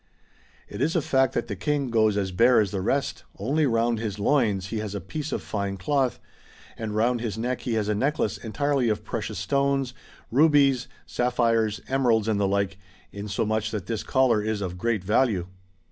^ It is a fact that the King goes as bare as the rest, only round his loins he has a piece of fine cloth, and round his neck he has a necklace entirely of precious stones, — rubies, sapphires, emeralds and the like, insomuch that this collar is of great value.